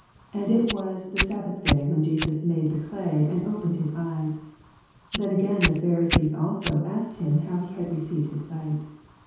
14 And it was the sabbath day when Jesus made the olay, and opened his eyes. 15 Then again the iPharisees also asked him how he had reoeived his sight.